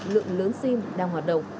lượng lớn sim đang hoạt động